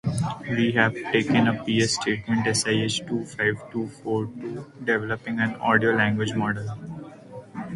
We have been discussing this issue for the last three hours!